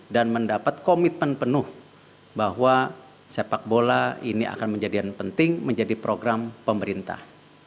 dan mendapat komitmen penuh bahwa sepak bola ini akan menjadi yang penting menjadi program pemerintah